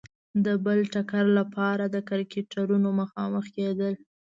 د بل ټکر لپاره د کرکټرونو مخامخ کېدل.